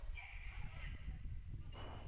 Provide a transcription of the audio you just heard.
Web del Club